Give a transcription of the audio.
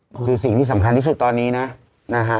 ก็คือสิ่งที่สำคัญที่สุดตอนนี้นะนะฮะ